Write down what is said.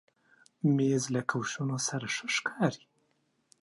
مېز له کوشنو سره ښه ښکاري.